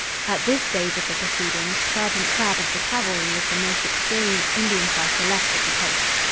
At this stage of the proceedings, Sergeant Crabb of the Cavalry was the most experienced Indian fighter left at the post.